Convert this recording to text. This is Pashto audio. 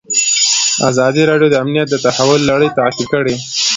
ازادي راډیو د امنیت د تحول لړۍ تعقیب کړې.